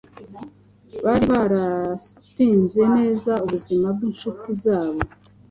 Bari bararinze neza ubuzima bw’incuti zabo